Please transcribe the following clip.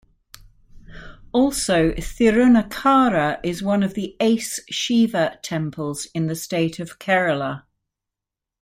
Also Thirunakkara is one of the ace shiva temples in the state of Kerala.